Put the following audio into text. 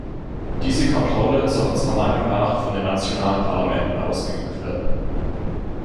Diese Kontrolle soll unserer Meinung nach von den nationalen Parlamenten ausgeübt werden.